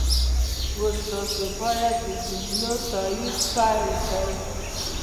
اوس تاسو باید د جملو تایید پيل کړئ.